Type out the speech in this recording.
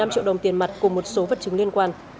năm triệu đồng tiền mặt cùng một số vật chứng liên quan